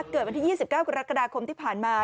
เกิดวันที่๒๙กรกฎาคมที่ผ่านมา